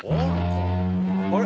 あれ？